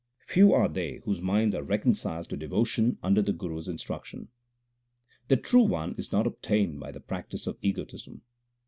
Few are they whose minds are reconciled to devotion under the Guru s instruction. The True One is not obtained by the practice of egotism.